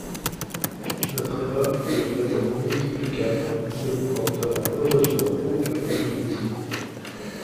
Notre erreur, qui est vraiment inexplicable, ne vous portera heureusement aucun préjudice.